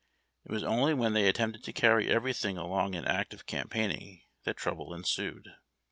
It was only when they attempted to carry everything along in active campaigning that trouble ensued.